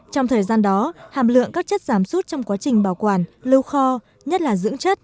trong thời gian đó hàm lượng các chất giảm sút trong quá trình bảo quản lưu kho nhất là dưỡng chất